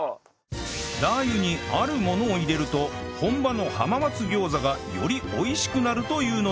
ラー油にあるものを入れると本場の浜松餃子がより美味しくなるというのです